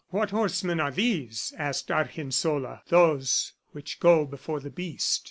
"What horsemen are these?" asked Argensola. "Those which go before the Beast."